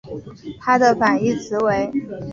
它的反义词为。